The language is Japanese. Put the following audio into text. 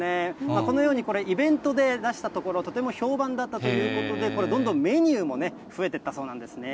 このように、これ、イベントで出したところ、とても評判だったということで、これ、どんどんメニューもね、増えてったそうなんですね。